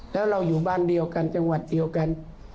แล้วเราอยู่บ้านเดียวกันจังหวัดเดียวกัน